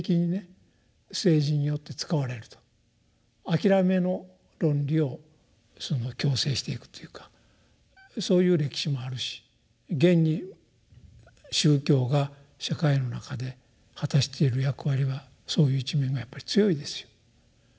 諦めの論理をその強制していくというかそういう歴史もあるし現に宗教が社会の中で果たしている役割はそういう一面がやっぱり強いですよ。